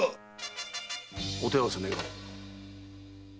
⁉お手合わせ願おう。